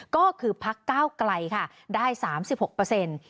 ก็คือพักก้าวไกลค่ะได้๓๖เปอร์เซ็นต์